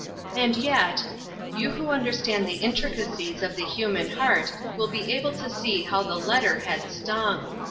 And yet, you who understand the intrica cies of the human heart will be able to see how the letter had stung.